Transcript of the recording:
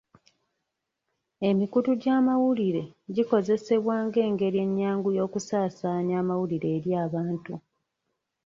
Emikutu gy'amawulire gikozesebwa nga engeri ennyangu ey'okusaasaanya amawulire eri abantu.